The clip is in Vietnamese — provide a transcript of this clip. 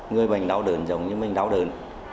người bệnh đau đớn giống như mình đau đớn